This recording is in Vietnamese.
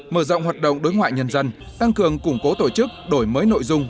mở rộng hoạt động đối ngoại nhân dân tăng cường củng cố tổ chức đổi mới nội dung